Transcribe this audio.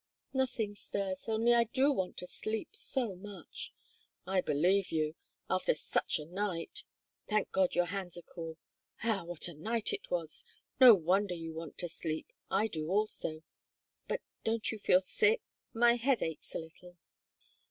"Nothing, Stas; only I do want to sleep so much." "I believe you! After such a night! Thank God, your hands are cool. Ah, what a night it was! No wonder you want to sleep. I do also. But don't you feel sick?" "My head aches a little."